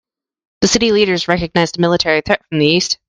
The city leaders recognized a military threat from the east.